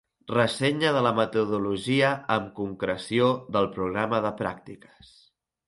Ressenya de la metodologia amb concreció del Programa de pràctiques.